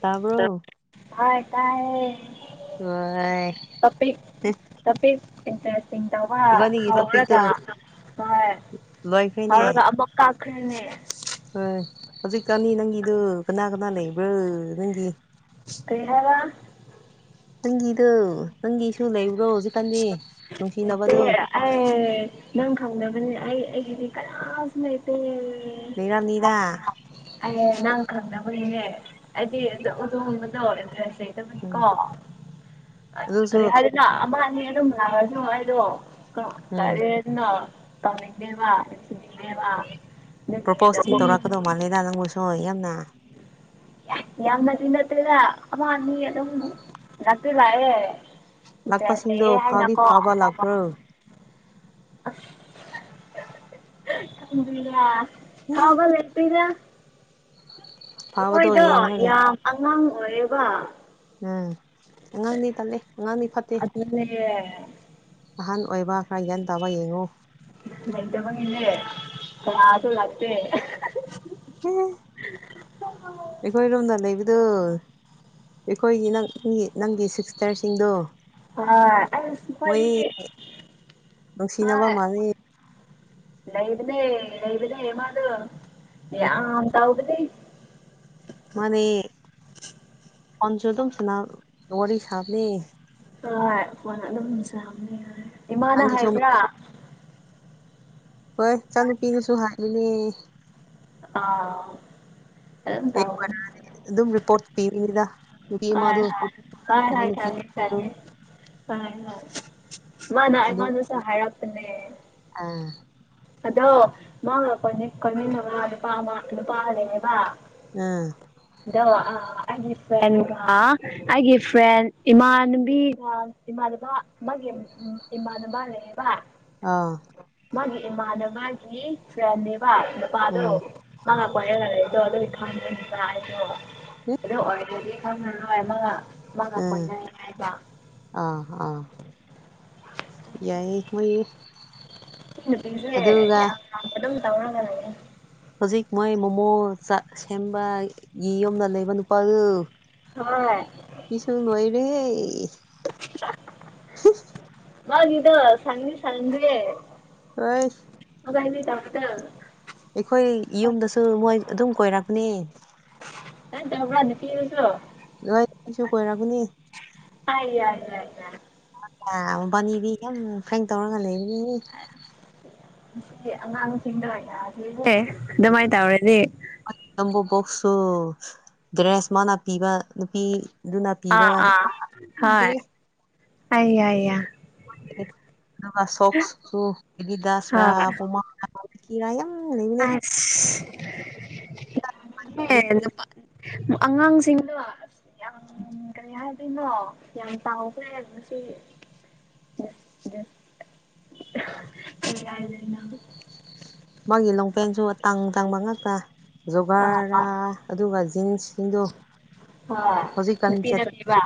ꯇꯥꯕ꯭ꯔꯣ ꯍ ꯇꯥꯏ ꯍ ꯇꯄꯤꯦ ꯇꯄꯤꯦ ꯏꯇꯦ ꯁꯤꯡ ꯇꯧꯕ ꯏꯕꯥꯅꯤꯒꯤ ꯇꯣꯄꯤꯛꯇꯨ ꯍꯧꯔꯒ ꯍꯣꯏ ꯂꯣꯏꯈ꯭ꯔꯦꯅꯦ ꯍꯧꯔꯒ ꯑꯃꯛ ꯀꯥꯈꯅꯦ ꯍꯣꯏ ꯍꯧꯖꯤꯛꯀꯥꯟꯅꯤ ꯅꯪꯒꯤꯗꯨ ꯀꯅꯥ ꯀꯅꯥ ꯂꯩꯕ꯭ꯔꯥ ꯅꯪꯒꯤ ꯀꯦ ꯍꯥꯏꯔ ꯅꯪꯒꯤꯗꯨ ꯅꯪꯒꯤꯁꯨ ꯂꯩꯕ꯭ꯔꯣ ꯍꯧꯖꯤꯛꯀꯥꯟꯗꯤ ꯅꯨꯡꯁꯤꯅꯕꯗꯣ ꯑꯦ ꯅꯪ ꯈꯪꯗꯕꯅꯦ ꯑꯩ ꯑꯩꯒꯤꯗꯤ ꯀꯅꯥꯁꯨ ꯂꯩꯇꯦ ꯃꯤꯔꯥ ꯅꯗꯥ ꯑꯦ ꯅꯪ ꯈꯪꯅꯕꯒꯤꯅꯦ ꯑꯩꯗꯤ ꯎꯗꯣꯡꯕꯗꯣꯟꯇ꯭ꯔꯁ ꯎꯝ ꯅꯤꯀꯣ ꯑ ꯑꯗꯨꯁꯨ ꯀꯔꯤ ꯍꯥꯏꯗꯅ ꯑꯃꯅꯤ ꯑꯗꯨꯝ ꯂꯥꯛꯑꯁꯨ ꯑꯩꯗꯣ ꯀ ꯎꯝ ꯀꯥꯔꯅꯣ ꯇꯃꯤꯦ ꯋꯥ ꯆꯦ ꯋꯥ ꯄ꯭ꯔꯣꯄꯣꯁꯇꯤ ꯇꯧꯔꯛꯀꯗꯧ ꯃꯥꯜꯂꯦꯗ ꯅꯪꯕꯨꯁꯨ ꯌꯥꯝꯅ ꯌꯥꯝꯅꯗꯤꯤ ꯅꯠꯇꯦꯅ ꯑꯃ ꯑꯅꯤ ꯑꯗꯨꯝ ꯉꯥꯛꯛꯇꯤ ꯂꯥꯛꯑꯦ ꯏꯗꯦ ꯂꯥꯛꯄꯁꯤꯡꯗꯣ ꯍꯥꯏꯅ ꯐꯥꯎꯗꯤ ꯀꯣ ꯐꯥꯕ ꯂꯥꯛꯄ꯭ꯔꯣ ꯕꯤꯂ ꯑꯦ ꯍꯥꯎꯒ ꯂꯦ ꯄꯤꯗ ꯐꯥꯕꯗꯣ ꯃꯣꯏꯗꯣ ꯌꯦꯡꯉꯒ ꯌꯥꯝ ꯑꯉꯥꯡ ꯑꯣꯏꯌꯦꯕ ꯎꯝ ꯑꯉꯥꯡꯗꯤ ꯇꯠꯂꯦ ꯑꯉꯥꯡꯗꯤ ꯐꯠꯇꯦ ꯑ [inaudible] ꯑꯍꯥꯟ ꯑꯣꯏꯕ ꯈꯔ ꯚ꯭ꯌꯥꯟ ꯇꯥꯕ ꯌꯦꯡꯉꯨ ꯃꯇ ꯃꯅꯤ ꯏꯦ ꯀꯁꯨꯣ ꯂꯥꯛꯇꯦ [inaudible] ꯎꯝ ꯑꯩꯈꯣꯏꯔꯣꯝꯗ ꯂꯩꯕꯗꯣ ꯑꯩꯈꯣꯏꯒꯤ ꯅꯪꯒꯤ ꯅꯪꯒꯤ ꯁꯤꯁꯇꯔꯁꯤꯡꯗꯣ f [unintelligible] ꯅꯨꯡꯁꯤꯅꯕ ꯃꯥꯜꯂꯦ ꯅꯩꯕꯅꯦꯦ ꯅꯩꯕꯅꯦ ꯃꯥꯗꯨ ꯌꯥ ꯑꯇ ꯍꯒꯅꯤ ꯃꯥꯅꯦ ꯑꯟꯁ ꯇꯧꯁ ꯅ ꯋꯥꯔꯤꯔꯤ ꯁꯥ ꯍꯥꯕꯅꯦ ꯍꯣꯏ ꯐꯣꯟ ꯑꯗꯨꯝ ꯆꯝꯅꯤ ꯏꯃꯥꯅ ꯅꯪꯒꯤꯁꯨ ꯍꯥꯏꯕ꯭ꯔꯥ ꯍꯣꯏ ꯏꯅꯨꯄꯤꯅꯁꯨ ꯍꯥꯕꯅꯦ ꯑꯥ ꯑꯩ ꯇꯅ ꯑꯗꯨꯝ ꯔꯤꯄꯣꯔꯠ ꯄꯤꯗ ꯑ ꯑ ꯍ ꯊꯦ ꯆꯦ ꯍꯣꯏ ꯃꯥꯅ ꯑꯗꯨ ꯑꯩꯉꯣꯟꯗꯁꯨ ꯍꯥꯏꯔꯛꯄꯅꯦ ꯑꯥ ꯑꯗꯣ ꯃꯥ ꯀꯣꯟꯃꯤꯟꯅꯕ ꯅꯨꯄꯥ ꯑꯃ ꯅꯨꯄꯥ ꯂꯩꯌꯦꯕ ꯑꯝ [inaudible] ꯑꯩꯒꯤ ꯐ꯭ꯔꯦꯟ ꯏꯃꯥꯟꯅꯤꯕꯤ ꯏꯃꯥꯟꯅꯕ ꯃꯥꯒꯤ ꯏꯃꯥꯟꯅꯕ ꯂꯩꯌꯦꯕ ꯑꯥ ꯃꯥꯒꯤ ꯏꯃꯥꯟꯅꯕꯒꯤ ꯐ꯭ꯔꯦꯟꯅꯦꯕ ꯅꯨꯄꯥꯗꯣ ꯎꯝ ꯃꯥꯉ ꯀꯣꯏꯣ ꯑꯗꯨ ꯈ꯭ꯔ ꯍꯥꯏꯣ [inaudible] ꯑꯗꯨ ꯑꯣꯏꯔꯒꯗꯤ ꯈꯪꯉꯔꯣꯏ ꯃꯥꯒ ꯎꯝ ꯄꯨꯟꯅꯩ ꯍꯥꯏꯕ ꯑꯥ ꯑꯥ ꯌꯥꯏꯌꯦ ꯃꯣꯏ ꯄꯤꯁꯤꯦ ꯑꯗꯨꯒ ꯑꯗꯨꯝ ꯇꯧꯒꯦ [inaudible] ꯍꯧꯖꯤꯛ ꯃꯣꯏ ꯃꯣꯃꯣ ꯁꯦꯝꯕꯒꯤ ꯌꯨꯝꯗ ꯂꯩꯕ ꯅꯨꯄꯥꯗꯨ ꯍꯣꯏ ꯑꯗꯨꯁꯨ ꯂꯣꯏꯔꯦ ꯃꯥꯅꯤꯗꯣ ꯁꯉ [inaudible] ꯅꯤ ꯁꯦ ꯍꯣꯏ ꯑꯣꯥꯏꯅꯤ ꯇꯃꯗ [inaudible] ꯑꯩꯈꯣꯏ ꯌꯨꯝꯗꯁꯨ ꯃꯣꯏ ꯑꯗꯨꯝ ꯀꯣꯏꯔꯛꯅꯤ ꯅ ꯆꯕ ꯤꯁꯨꯣ [inaudible] ꯂꯣꯏ ꯑꯩꯁꯨ ꯀꯣꯏꯔꯛꯒꯅꯤ ꯌꯥ ꯌꯥ ꯌꯥ ꯅꯤꯗꯤ ꯀ ꯐꯦꯡ ꯇꯧꯔꯒ ꯂꯩꯔꯤꯅꯤ [inaudible] ꯑꯉꯥꯡ ꯑꯗꯨꯃꯥꯏ ꯇꯧꯔꯗꯤ ꯅꯕꯣꯛꯁꯨ ꯗ꯭ꯔꯦꯁ ꯃꯥꯅ ꯄꯤꯕ ꯅꯨꯄꯤ ꯑꯥ ꯑꯥ ꯍꯣꯏ ꯑꯋꯥ ꯑꯋꯥ ꯑꯗꯨꯒ ꯁꯣꯛꯁꯨ ꯑꯦꯗꯤꯗꯥꯁꯔ ꯍꯣꯏ ꯄꯨꯃꯥ ꯀꯤꯔ ꯌꯥꯝ ꯂꯩꯕꯅꯦ ꯍ ꯅꯨꯄꯥ [inaudible] ꯑꯉꯥꯡꯁꯤꯡꯗꯣ ꯀꯔꯤ ꯍꯥꯏꯗꯣꯏꯅꯣ ꯌꯥꯝ ꯆꯥꯎꯈ꯭ꯔꯦꯁꯤ ꯌꯥ ꯍꯥꯏꯗꯅ [inaudible] ꯃꯥꯒꯤ ꯂꯣꯡꯄꯦꯟꯁꯨ ꯑꯇꯥꯡ ꯑꯇꯥꯡꯕ ꯉꯥꯛꯛꯇ ꯑꯥ ꯑꯥ ꯖꯣꯒꯥꯔꯥ ꯑꯗꯨꯒ ꯖꯤꯟꯁꯁꯤꯡꯗꯣ ꯍꯣꯏ ꯍꯧꯖꯤꯛꯀꯥꯟ ꯅꯨꯄꯤ ꯁ‌ꯦꯠ ꯅꯠꯇꯦꯕ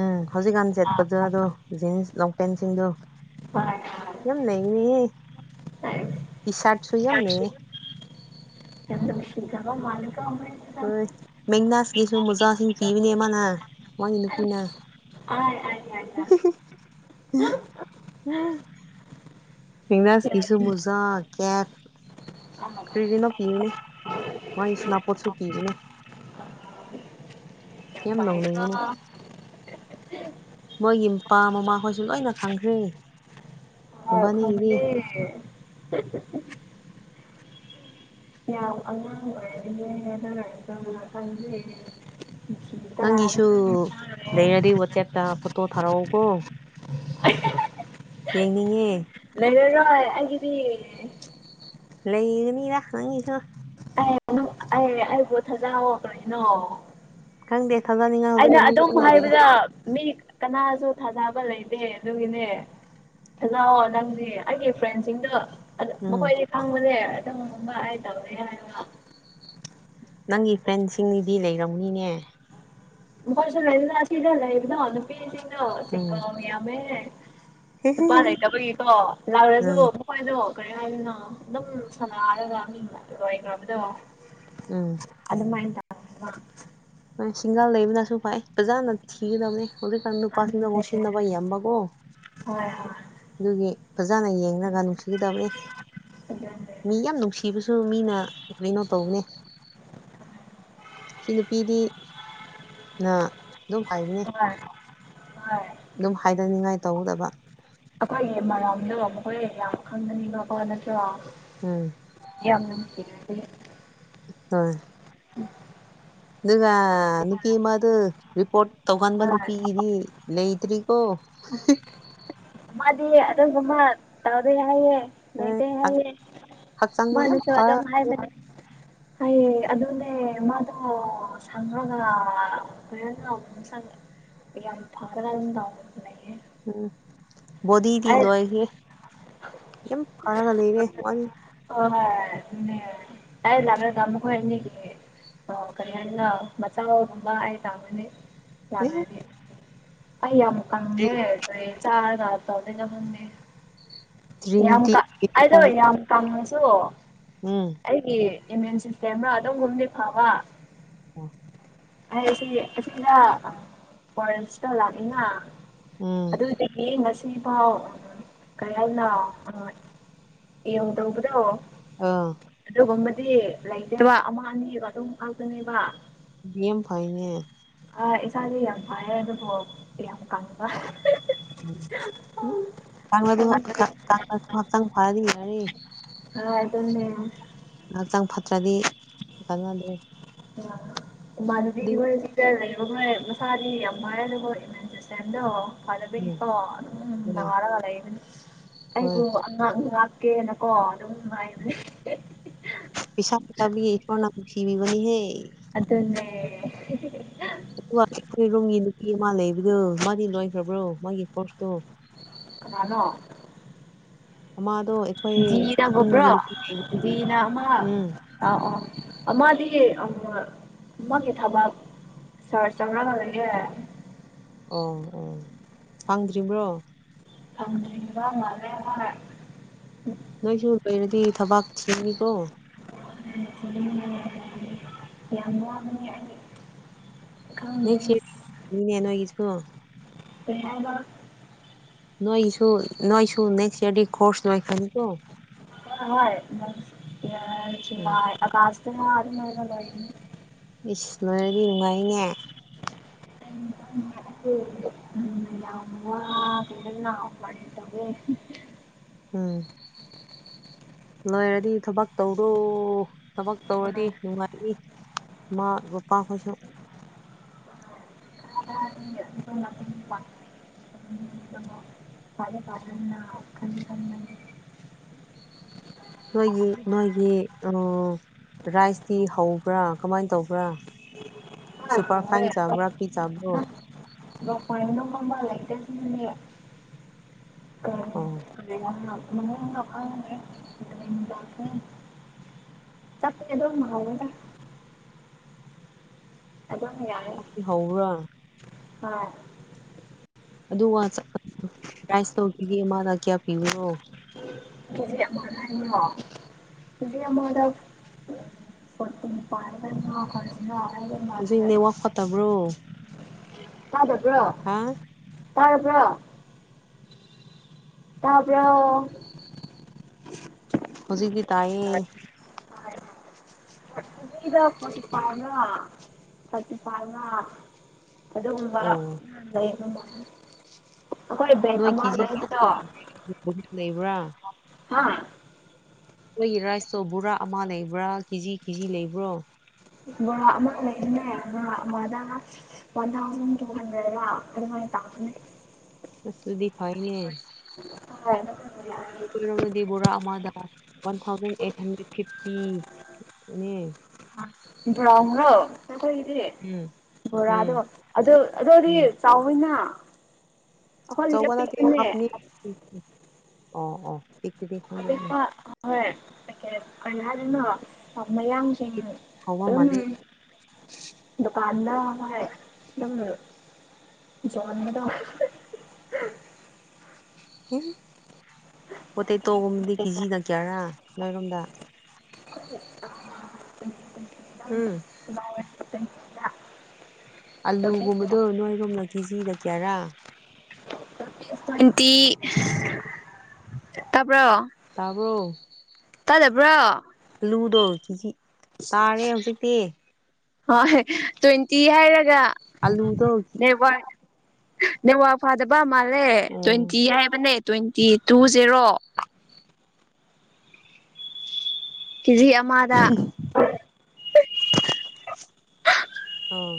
ꯎꯝ ꯍꯧꯖꯤꯛꯀꯥꯟ ꯁꯦꯠꯄꯗ ꯈꯪꯕꯅꯦ ꯑꯗꯣ ꯖꯤꯟꯁ ꯂꯣꯡꯄꯦꯟꯁꯤꯡꯗꯨ [unintelligible] ꯌꯥꯝ ꯂꯩꯕꯅꯦꯍ‌ꯦ ꯇꯤ ꯁꯥꯔꯠꯁꯨ ꯌꯥꯝ ꯂꯩ ꯌꯥꯝ ꯅꯨꯡꯁꯤꯈ꯭ꯔꯕ ꯃꯥꯜꯂ‌ꯦꯀ‌ꯣ ꯍꯣꯏ ꯃ‌ꯦꯛꯅꯥꯁꯀꯤꯁꯨ ꯃꯨꯖꯥꯁꯤꯡ ꯄꯤꯕꯅꯦ ꯃꯥꯅ ꯃꯥꯒꯤ ꯅꯨꯄꯤꯅ [unintelligible] ꯎꯝ ꯃ‌ꯦꯛꯅꯥꯁꯀꯤꯁꯨ ꯃꯨꯖꯥ ꯀ‌ꯦꯞ ꯀ꯭ꯔꯤꯔꯤꯅꯣ ꯄꯤꯕꯤꯅꯦ ꯃꯥꯒꯤ ꯏꯁꯅꯥꯄꯣꯠꯁꯨ ꯄꯤꯕꯅꯦ ꯌꯥꯝ ꯅꯣꯡꯅꯤꯡꯕꯅꯦ ꯃꯣꯏꯒꯤ ꯃꯄꯥ ꯃꯃꯥꯈꯣꯏꯁꯨ ꯂꯣꯏꯅ ꯈꯪꯈ꯭ꯔꯦ ꯃꯕꯥꯟꯅꯤꯒꯤꯗꯤ ꯌꯝ ꯑꯉꯥꯡ ꯑꯣꯏꯔꯗꯤꯅꯦ ꯍꯥꯏꯗꯅ ꯇꯅ ꯈꯪꯖꯩꯦ [inaudible] ꯅꯪꯒꯤꯁꯨ ꯂꯩꯔꯗꯤ ꯋꯥꯆꯦꯞꯇ ꯐꯣꯇꯣ ꯊꯥꯔꯛꯑꯣꯀꯣ ꯌꯦꯡꯅꯤꯡꯉꯦ ꯂꯩꯔꯔꯣꯏ ꯑꯩꯒꯤꯗꯤ ꯂꯩꯒꯅꯤꯗ ꯅꯪꯒꯤꯁꯨ ꯑꯥ ꯑꯩꯕꯨ ꯊꯖꯥꯎꯑꯣ ꯀꯔꯤꯅꯣ ꯈꯪꯗꯦ ꯊꯥꯖꯅꯤꯡꯉꯥꯏ ꯑꯩꯅ ꯍꯧꯖꯤꯛꯀꯥꯟꯗꯤ ꯑꯗꯨꯝ ꯈꯪꯗ꯭ꯔꯦꯗ ꯍꯥꯏꯕꯗ ꯃꯤ ꯀꯅꯥꯁꯨ ꯊꯥꯖꯕ ꯂꯩꯇꯦ ꯑꯗꯨꯒꯤꯅꯦ ꯊꯥꯖꯧꯋ‌ꯣ ꯅꯪꯗꯤ ꯑꯩꯒꯤ ꯐ꯭ꯔꯦꯟꯁꯤꯡꯗꯣ ꯑꯗ‌ꯣ ꯎꯝ ꯃꯈꯣꯏꯗꯤ ꯈꯪꯕꯅꯦ ꯑꯗꯨꯝꯒꯨꯝꯕ ꯍꯥꯏ ꯇꯧꯋ‌ꯦ [unintelligible] ꯅꯪꯒꯤ ꯐ꯭ꯔꯦꯟ ꯁꯤꯡꯒꯤꯗꯤ ꯂꯩꯔꯝꯅꯤꯅꯦ ꯃꯈ‌ꯣꯏꯁꯨ ꯂꯩꯕꯗ‌ꯣ ꯑꯁꯤꯗ ꯂꯩꯕꯗ‌ꯣ ꯅꯨꯄꯤꯁꯤꯡ [unintelligible] ꯎꯝ ꯆꯤꯡꯕꯥꯎ ꯌꯥꯝꯃꯦ ꯅꯨꯨꯄꯥ ꯂꯩꯇꯕꯒꯤꯀꯣ ꯂꯥꯎꯔꯁꯨ ꯎꯝ ꯍꯣꯏ ꯑꯗꯣ ꯀꯔꯤ ꯍꯥꯏꯗ‌ꯣꯏꯅꯣ ꯑꯗꯨꯝ ꯁꯥꯟꯅꯔꯒ ꯃꯤ ꯂ‌ꯣꯏꯈ꯭ꯔꯕꯗꯣ ꯎꯝ ꯑꯗꯨ ꯃꯥꯏ ꯇꯧ [unintelligible] ꯒ ꯍꯣꯏ ꯁꯤꯡꯒꯜ ꯂꯩꯕꯅꯁꯨ ꯐꯩ ꯐꯖꯥꯅ ꯊꯤꯒꯗꯕꯅ‌ꯦ ꯍꯧꯖꯤꯛꯀꯥꯟ ꯅꯨꯄꯥꯁꯤꯡ ꯑꯗꯨꯅꯦ ꯉꯥꯎꯁꯤꯟꯅꯕ ꯌꯥꯝꯕꯀ‌ꯣ ꯍꯣꯏ ꯍꯣꯏ ꯑꯗꯨꯒꯤ ꯐꯖꯅ ꯌꯦꯡꯔꯒ ꯅꯨꯡꯁꯤꯒꯗꯕꯅꯤ ꯑꯗꯨꯅꯦ ꯃꯤ ꯌꯥꯝ ꯅꯨꯡꯁꯤꯕꯁꯨ ꯃꯤꯅ ꯀꯩꯅꯣ ꯇꯧꯕꯅꯦ ꯁꯤ ꯅꯨꯄꯤꯗꯤ ꯅ ꯑꯗꯨꯝ ꯍꯥꯏꯕꯅ‌ꯦ ꯍꯣꯏ ꯍꯣꯏ ꯑꯗꯨꯝ ꯍꯥꯏꯗꯅꯤꯡꯉꯥꯏ ꯇꯧꯒꯗꯕ ꯑꯩꯈꯣꯏꯒꯤ ꯃꯔꯝꯗ‌ꯣ ꯃꯈꯣꯏ ꯌꯥꯝ ꯈꯪꯒꯅꯤꯕꯀꯣ ꯅꯠꯇ꯭ꯔꯣ ꯎꯝ [unintelligible] [unintelligible] ꯑꯗꯨꯅ ꯅꯨꯄꯤ ꯃꯗꯨ ꯔꯤꯄꯣꯔꯠ ꯇꯧꯒꯟꯕ ꯍꯣꯏ ꯅꯨꯄꯤꯒꯤꯗꯤ ꯂꯩꯇ꯭ꯔꯤ ꯑꯣ ꯃꯥꯗꯤ ꯑꯗꯨꯝ ꯃꯃꯥ ꯇꯥꯎꯗ‌ꯦ ꯍꯥꯏꯌ‌ꯦ ꯎꯝ ꯂꯩꯇ‌ꯦ ꯍꯛ ꯍꯥꯏꯌ‌ꯦ ꯍꯛꯆꯥꯡꯗꯤ ꯌꯥꯝ ꯃꯥꯅꯁꯨ ꯐꯔ ꯑꯗꯨꯝ ꯍꯥꯏꯕꯅꯦ ꯍꯥꯏꯌꯦ ꯑꯗꯨꯅꯦ ꯃꯥꯗꯨ ꯁꯪꯉꯒ [unintelligible] ꯃꯁꯥꯅ ꯌꯥꯝ ꯐꯗ‌꯭ꯔꯅ ꯇꯧꯕꯅ‌ꯦ ꯎꯝ ꯕꯣꯗꯤꯗꯤ ꯑꯩ ꯂꯣꯏꯈ꯭ꯔꯦ ꯌꯥꯝ ꯐꯔꯒ ꯂꯩꯔꯦ ꯃꯥꯅꯤ ꯍ‌ꯣꯏ ꯑꯗꯨꯅ‌ꯦ ꯑꯩ ꯂꯥꯛꯔꯒ ꯃꯈ‌ꯣꯏ ꯑꯅꯤꯒꯤ ꯑꯣ ꯀꯔꯤ ꯍꯥꯏꯅ ꯃꯆꯥꯥꯎꯒꯨꯝꯕ ꯍꯥꯏ ꯇꯥꯕꯅꯤ ꯑꯦ ꯑꯩ ꯌꯥꯝ ꯇ꯭ꯔꯤ ꯀꯪꯉ‌ꯦ ꯀꯩ ꯆꯥꯔꯒ ꯇ ꯈꯪꯗꯦ ꯌꯥꯝ ꯇ꯭ꯔꯤꯅꯤꯇꯤ ꯀ ꯑꯩꯗꯣ ꯌꯨꯅꯤꯐꯣꯝ ꯌꯥꯝ ꯀꯪꯉꯁꯨ ꯎꯝ ꯑꯩꯒꯤ ꯏꯃ꯭ꯌꯨꯟ ꯁꯤꯁꯇꯦꯝꯔ‌ꯣ ꯑꯗꯨꯒꯨꯝꯕꯗꯤ ꯐꯕ ꯑꯣ ꯍꯥꯏꯁꯤ ꯑꯁꯤꯗ ꯑꯣꯔꯦꯟꯁꯇ ꯂꯥꯛꯅꯤꯅ ꯎꯝ ꯑꯗꯨꯗꯤ ꯌꯦ ꯉꯁꯤꯐꯥꯎ ꯀꯌꯥꯅ ꯌꯦꯎꯗꯕꯗꯣ ꯑꯥ ꯑꯗꯨꯒꯨꯝꯕꯗꯤ ꯂꯩꯇꯦꯕ ꯑꯃ ꯑꯅꯤꯒ ꯑꯗꯨꯝ ꯈꯥꯛꯇꯅꯦꯕ ꯌꯥꯝ ꯐꯥꯏꯅꯦ ꯑꯥ ꯏꯁꯥꯥꯁꯦ ꯌꯥꯝ ꯐꯥꯏꯌꯦ ꯑꯗꯨꯕꯨ ꯌꯥꯝ ꯀꯪꯕ ꯑꯗꯨ ꯈꯪꯗ꯭ꯔꯦ ꯍꯛꯇ ꯐꯔꯗꯤꯔꯦ [unintelligible] ꯍꯛꯆꯥꯡ ꯐꯠꯇ꯭ꯔꯗꯤ ꯀꯥꯟꯅꯗ꯭ꯔꯦ ꯏꯃꯥꯟꯅꯕꯤ ꯑꯗꯨ ꯍ‌ꯣꯏ ꯂꯩꯕ ꯍꯣꯏ ꯃꯁꯥꯗꯤ ꯌꯥꯝ [unintelligible] ꯏꯃꯨꯟꯁꯤꯁꯇ‌ꯦꯝꯗꯣ ꯎꯝ ꯍꯣꯏ ꯍꯣꯏ [unintelligible] [unintelligible] ꯄꯩꯁꯥ ꯇꯥꯕꯒꯤ ꯏꯁꯣꯔꯅ ꯅꯨꯡꯁꯤꯕꯤꯕꯅ‌ꯦꯍꯦ ꯑꯗꯨꯅꯦ ꯑꯗꯨꯒ ꯑꯩꯈꯣꯏ ꯔꯨꯝꯒꯤ ꯅꯨꯄꯤ ꯑꯃ ꯂꯩꯕꯗꯨ ꯃꯥꯗꯤ ꯂꯣꯏꯈ꯭ꯔꯕ꯭ꯔꯣ ꯃꯥꯒꯤ ꯀꯣꯔꯣꯔꯁꯇꯣ ꯀꯅꯅꯣ ꯃ ꯑꯗꯣ ꯖꯤꯅꯥ ꯕ꯭ꯔꯣ ꯅꯥꯃ ꯎꯝ ꯑ ꯑꯥ ꯃꯥꯗꯤ ꯃꯥꯒꯤ ꯊꯕꯛ [unintelligible] ꯑꯣ ꯑꯣ ꯐꯪꯗ꯭ꯔꯤꯕꯔꯤꯕ꯭ꯔꯣ ꯍꯪꯕ ꯃꯅꯦꯔꯦ ꯅꯣꯏꯁꯨ ꯃꯣꯏꯅꯗꯤ ꯊꯕꯥꯛ ꯊꯅꯤ ꯀꯣ ꯌꯥꯝꯅꯨꯡꯅꯤ ꯑꯩ ꯈꯪꯗꯦ ꯅꯦꯛꯁ ꯏꯅꯦꯦꯅꯒꯗ ꯀꯣ [inaudible] ꯅꯣꯏꯁꯨ ꯅꯣꯏꯁꯨ ꯅꯦꯛꯁ ꯏꯔꯗꯤ ꯀ ꯀꯣꯔꯁ ꯅꯣꯏ ꯈꯅꯤꯀꯣ ꯍꯣꯏ ꯎꯝ ꯑ ꯑꯁꯇ ꯑꯔ ꯃꯒ ꯏꯁ ꯂꯣꯏꯔꯗꯤ ꯅꯨꯡꯉꯥꯏꯅꯦ [inaudible] [inaudible] ꯎꯝ ꯂꯣꯏꯔꯗꯤ ꯊꯕꯛ ꯇꯧꯔꯣ ꯊꯕꯛ ꯇꯧꯔꯗꯤ ꯅꯨꯡꯉꯥꯏꯏ ꯏꯃꯥ ꯄꯥꯈꯣꯏꯁꯨ [unintelligible] [inaudible] ꯅꯣꯏꯒꯤ ꯅꯣꯏꯒꯤ ꯑ ꯔꯥꯏꯁꯇꯤ ꯍꯧꯕ꯭ꯔꯥ ꯀꯃꯥꯏꯅ ꯇꯧꯕ꯭ꯔꯥ ꯁꯄꯔ ꯐꯥꯏꯟ ꯆꯕ ꯔꯛꯄꯤ ꯆꯕ꯭ꯔꯣ ꯀꯅ ꯍꯝꯕ ꯂꯩꯗꯁꯨ ꯑ ꯎꯝ [inaudible] ꯇꯄꯗꯃ ꯍꯒꯗ ꯑꯗꯨꯗ ꯌꯥ ꯆꯥꯛꯇꯤ ꯍꯧꯕ꯭ꯔꯥ ꯍꯝ ꯑꯗꯨ꯭ꯔ ꯇꯧꯈꯤꯒꯦ ꯃꯥꯅ ꯀꯌꯥ ꯄꯤꯕꯅꯣ [inaudible] ꯍꯧꯖꯤꯛ ꯑꯃꯗ ꯐꯣꯔꯇꯤ [unintelligible] ꯍꯧꯖꯤꯛꯅꯦ ꯋꯥ ꯐꯠꯇꯕ꯭ꯔꯣ ꯇꯥꯗꯕꯔꯣ ꯍꯥꯥ ꯇꯔꯕꯔꯣ ꯇꯥꯕꯔꯣ ꯍꯨꯖꯤꯛꯀꯤ ꯑꯥꯢ [unintelligible] ꯐꯣꯔꯇꯤ ꯐꯥꯏꯕ ꯂꯥ ꯐꯣꯔꯇꯤ ꯐꯥꯏꯕ ꯂꯥ ꯑꯗꯨꯒꯨꯝꯕ ꯑꯣ ꯂꯩ ꯃꯃꯥꯏꯅ ꯑꯩꯈꯣꯏ ꯕꯦꯛ ꯑꯃ ꯂꯩꯕꯗꯣ ꯑꯗꯨ ꯂꯩꯕ꯭ꯔꯥ ꯍꯥ ꯑꯩꯈꯣꯏꯒꯤ ꯔꯥꯏꯁꯇꯣ ꯕꯣꯔꯥ ꯑꯃ ꯂꯩꯕ꯭ꯔꯥ ꯀꯦꯖꯤ ꯀꯦꯖꯤ ꯂꯩꯕ꯭ꯔꯣ [inaudible] [inaudible] ꯁꯗꯤ ꯐꯅꯦ [inaudible] ꯀꯔꯝꯃꯗꯤ ꯕꯣꯔꯥ ꯑꯃꯗ ꯋꯥꯟ ꯊꯥꯎꯖꯟ ꯑꯩꯠ ꯍꯟꯗ꯭ꯔꯦꯠ ꯐꯤꯐꯇꯤꯅꯦ ꯭ꯕꯔꯥꯎ ꯍꯥ ꯑꯇꯩꯒꯤꯗꯤ ꯎꯝ ꯕꯣꯔꯗꯣ ꯎꯝ ꯑꯗꯣ ꯑꯗꯨꯗꯤ ꯎꯝ ꯆꯥꯎꯅ ꯑꯈꯣꯏꯒꯤꯁꯦ ꯄꯤꯛꯄꯥꯅꯦ ꯎ ꯎ ꯑꯣ ꯑꯣ ꯄꯤꯛꯇꯨꯗꯤ ꯑꯗꯨꯒꯥ ꯍꯣꯏ ꯀꯩ ꯀꯩ ꯀꯩ ꯍꯥꯏꯗꯣꯏꯅꯣ ꯃꯌꯥꯡ ꯊꯦꯡꯉꯦ ꯍꯥꯎꯕ ꯑꯣ ꯃꯥꯜꯂꯦ ꯗꯨꯀꯥꯟꯗ ꯍꯥꯏ ꯗꯨꯝꯕ ꯖꯣꯟꯕꯗꯣ ꯑꯦ ꯄꯣꯇꯦꯇꯣꯒꯨꯝꯕꯗꯤ ꯀꯦꯖꯤꯅ ꯀꯤꯌꯥꯔꯥ ꯅꯣꯏꯔꯣꯝꯗ [unintelligible] ꯎꯝ [unintelligible] ꯑꯂꯨꯒꯨꯝꯕꯗꯣ ꯅꯣꯏꯔꯣꯝꯅ ꯀꯦꯖꯤꯗ ꯀꯌꯥꯔꯥ ꯅꯨꯡꯇꯤ ꯇꯥꯕꯔꯣ ꯇꯥꯕꯔꯣ ꯇꯥꯗꯕ꯭ꯔꯣ ꯑꯂꯨꯗꯣ ꯀꯦꯖꯤ ꯇꯥꯔꯦ ꯍꯧꯖꯤꯛꯇꯤ ꯍꯣꯏ ꯇ꯭ꯋꯦꯟꯇꯤ ꯍꯥꯏꯔꯒ ꯑꯂꯨꯗꯣ ꯕꯦꯛꯋꯥꯔꯗ ꯅꯦꯠꯋꯥꯛ ꯐꯗꯕꯥ ꯃꯥꯜꯂꯦ ꯑꯣ ꯇ꯭ꯋꯦꯟꯇꯤ ꯍꯥꯏꯕꯅꯦ ꯇ꯭ꯋꯦꯟꯇꯤ ꯇꯨ ꯖꯦꯔꯣ ꯀꯦꯖꯤ ꯑꯃꯥꯗꯥ ꯑꯃ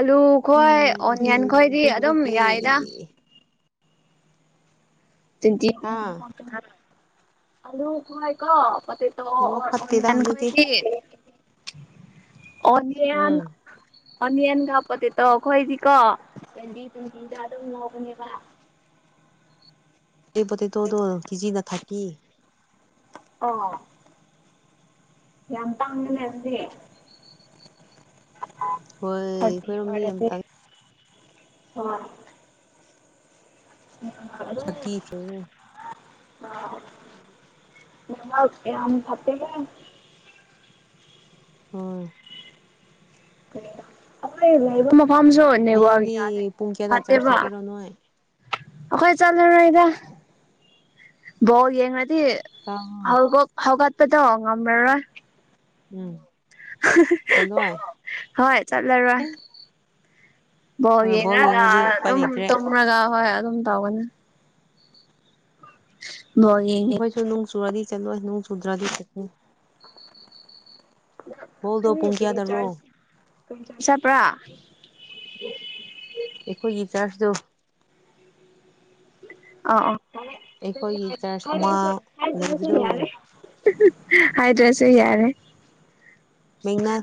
ꯑꯂꯨ ꯈꯣꯏ ꯑꯣꯅꯤꯌꯟ ꯈꯣꯏꯗꯤ ꯑꯗꯨꯝ ꯍꯧꯖꯤꯛꯇꯤ ꯌꯥꯏꯗ ꯇꯋꯤꯟꯇꯤ ꯍꯥ [unintelligible] ꯇꯦꯇꯣ ꯑꯣ ꯅꯦꯠꯋꯥꯛ ꯑꯣꯔ ꯐꯠꯇꯦꯗ ꯑꯣꯅꯤꯌꯣꯟ ꯍꯧꯖꯤꯛꯇꯤ ꯈꯣꯢꯗꯤ ꯑꯣꯅꯤꯌꯣꯟ ꯎꯝ ꯑꯣꯅꯤꯌꯟꯒ ꯄꯣꯇꯦꯇꯣ ꯑꯩꯈꯣꯏꯗꯤꯀꯣ ꯇꯋꯦꯟꯗꯤ ꯇꯋꯦꯟꯇꯤ ꯑꯗꯨꯝ ꯉꯧꯕꯅꯦꯕ ꯗꯨꯏ ꯄꯣꯇꯦꯇꯣꯗꯣ ꯀꯤꯖꯤꯅ ꯊꯔꯇꯤ ꯑꯣ ꯌꯥꯝ ꯇꯥꯡꯕꯅꯦ ꯑꯗꯨꯗꯤ ꯍꯣꯏ ꯊꯕꯤ ꯑꯩꯈꯣꯏꯔꯣꯝꯗꯤ ꯌꯥꯝ ꯑꯣꯏꯔꯗꯤ ꯇꯥꯡ ꯎꯃ ꯎ [inaudible] ꯑꯀꯤ [unintelligible] ꯑ [unintelligible] ꯎꯝ [unintelligible] ꯅꯦꯠꯋꯥꯛ ꯌꯥꯝ ꯇꯥꯞꯄꯦꯍꯦ ꯑꯣ ꯃꯐꯝꯁꯨ ꯅꯦꯠꯋꯥꯛ ꯍꯌꯦꯡꯗꯤ ꯌꯥꯗꯦ ꯄꯨꯡ ꯀꯌꯥꯗ ꯆꯥꯔꯖ ꯐꯠꯇꯦꯕ ꯆꯠꯀꯦꯔꯣ ꯅꯣꯏ ꯑꯩꯈꯣꯏ ꯆꯠꯂꯨꯔꯣꯗ ꯕꯣꯜ ꯌꯦꯡꯂꯥꯗꯤ ꯇꯥꯕ꯭ꯔꯣ ꯑꯃꯨꯛ ꯍꯧꯒꯠꯄꯗꯣ ꯉꯝꯂꯥꯔꯣꯏ ꯎꯝ ꯆꯠꯂꯣꯏ ꯍꯣꯏ ꯆꯠꯂꯔꯣꯏ ꯕꯣꯜ ꯍꯣꯏ ꯌꯦꯡꯉꯒ ꯌꯦꯡꯉꯗꯤ ꯎꯄꯥꯏ ꯑꯗꯨꯝ ꯂꯩꯇ꯭ꯔꯦ ꯇꯨꯝꯔꯒ ꯍꯣꯏ ꯑꯗꯨꯝ ꯇꯧꯕꯅꯦ ꯅꯣꯛꯅꯤꯡꯉꯦ ꯏꯃꯨꯡ ꯆꯨꯔꯗꯤ ꯆꯠꯂꯣꯏ ꯅꯣꯡ ꯆꯨꯗ꯭ꯔꯥꯗꯤ ꯆꯠꯅꯤ ꯕꯣꯜꯗꯣ ꯄꯨꯡ ꯀꯌꯥꯗꯔꯣ [unintelligible] ꯆꯠꯄꯔꯥ ꯑꯩꯈꯣꯏꯒꯤ ꯆꯔꯁꯗꯣ ꯑ ꯑꯩꯈꯣꯏꯒꯤ ꯆꯔꯆ ꯑ ꯑꯃ ꯂꯩꯕꯗꯣ [unintelligible] ꯌꯥꯔꯦ ꯍꯥꯏꯗ꯭ꯔꯁꯨ ꯌꯥꯔꯦ ꯃꯦꯅ